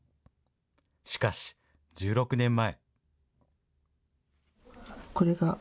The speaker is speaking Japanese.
しかし、１６年前。